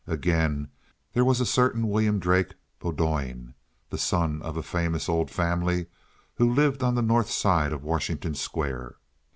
Again there was a certain William Drake Bowdoin, the son of a famous old family, who lived on the north side of Washington Square.